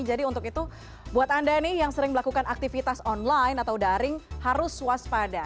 jadi untuk itu buat anda nih yang sering melakukan aktivitas online atau daring harus waspada